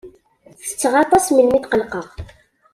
Ttetteɣ aṭas melmi tqellqeɣ.